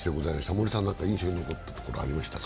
森さん、何か印象に残ったことはありましたか？